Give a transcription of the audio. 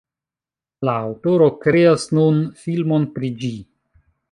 La aŭtoro kreas nun filmon pri ĝi.